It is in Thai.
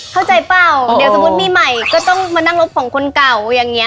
เข้าใจเปล่าเดี๋ยวสมมติมีใหม่ก็ต้องมานั่งลบพองคนเก่า